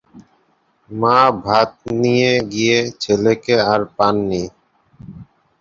মা ভাত নিয়ে গিয়ে ছেলেকে আর পাননি।